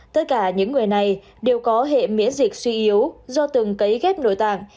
tất cả những người này đều có hệ miễn dịch suy yếu do từng cấy ghép nội tạng